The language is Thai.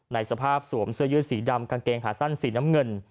สภาพสวมเสื้อยืดสีดำกางเกงขาสั้นสีน้ำเงิน